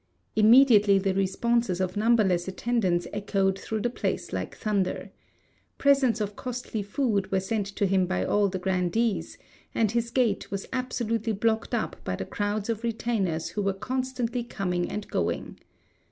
Immediately the responses of numberless attendants echoed through the place like thunder. Presents of costly food were sent to him by all the grandees, and his gate was absolutely blocked up by the crowds of retainers who were constantly coming and going.